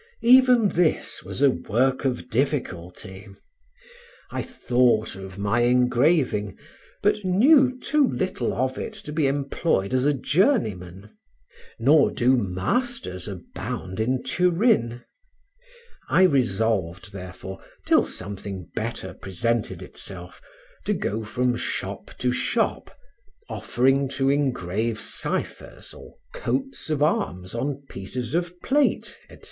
Even this was a work of difficulty; I thought of my engraving, but knew too little of it to be employed as a journeyman, nor do masters abound in Turin; I resolved, therefore, till something better presented itself, to go from shop to shop, offering to engrave ciphers, or coats of arms, on pieces of plate, etc.